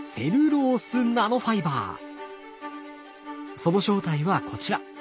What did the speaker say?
その正体はこちら。